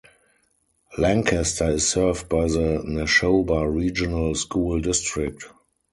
Lancaster is served by the Nashoba Regional School District.